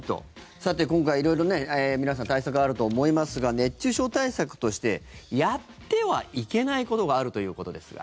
さて、今回、色々皆さん対策はあると思いますが熱中症対策としてやってはいけないことがあるということですが。